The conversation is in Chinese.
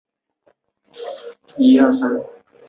是一家位于荷兰埃因霍温的足球俱乐部。